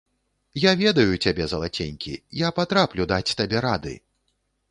Я ведаю цябе, залаценькі, я патраплю даць табе рады!